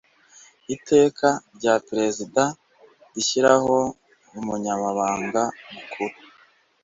Iteka rya Perezida rishyiraho Umunyamabanga Mukuru